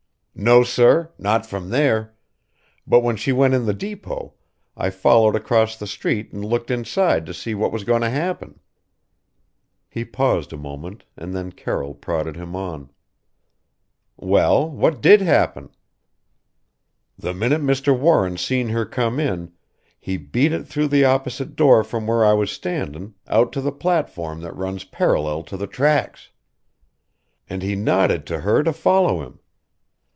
"No sir. Not from there. But when she went in the depot, I followed across the street and looked inside to see what was goin' to happen." He paused a moment and then Carroll prodded him on "Well what did happen?" "The minute Mr. Warren seen her come in he beat it through the opposite door from where I was standin' out to the platform that runs parallel to the tracks. An' he nodded to her to follow him.